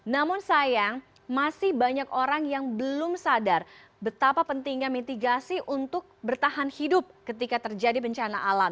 namun sayang masih banyak orang yang belum sadar betapa pentingnya mitigasi untuk bertahan hidup ketika terjadi bencana alam